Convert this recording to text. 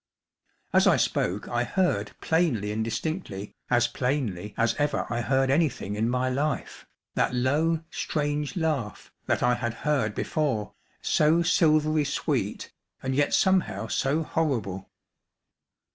As I spoke I heard plainly and distinctly, as plainly as ever I heard anything in my life, that low, strange laugh, that I had heard before, so silvery sweet and yet somehow so horrible.